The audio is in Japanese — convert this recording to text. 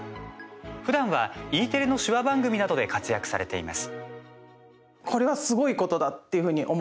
ふだんはＥテレの手話番組などで活躍されています。